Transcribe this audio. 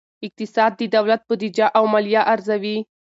اقتصاد د دولت بودیجه او مالیه ارزوي.